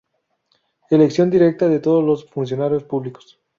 Elección directa de todos los funcionarios públicos.